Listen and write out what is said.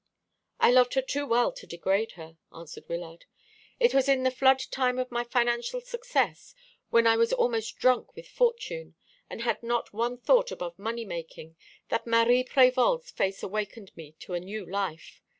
"I loved her too well to degrade her," answered Wyllard. "It was in the flood tide of my financial success, when I was almost drunk with fortune, and had not one thought above money making, that Marie Prévol's face awakened me to a new life.